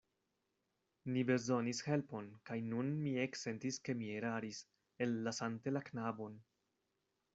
Ni bezonis helpon, kaj nun mi eksentis, ke mi eraris, ellasante la knabon.